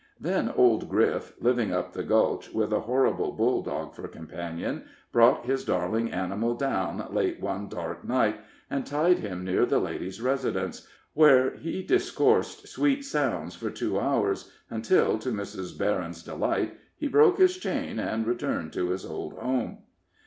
Then old Griff, living up the Gulch, with a horrible bulldog for companion, brought his darling animal down late one dark night, and tied him near the lady's residence, where he discoursed sweet sounds for two hours, until, to Mrs. Berryn's delight, he broke his chain, and returned to his old home.